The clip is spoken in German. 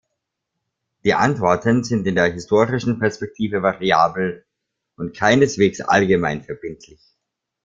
Die Antworten sind in der historischen Perspektive variabel und keineswegs allgemeinverbindlich.